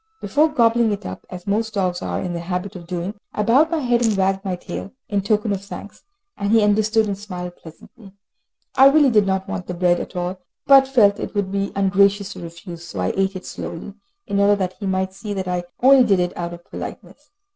Before gobbling it up, as most dogs are in the habit of doing, I bowed my head and wagged my tail, in token of thanks, and he understood, and smiled pleasantly. I really did not want the bread at all, but felt it would be ungracious to refuse, so I ate it slowly, in order that he might see that I only did it out of politeness.